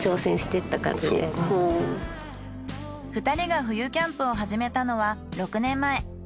２人が冬キャンプを始めたのは６年前。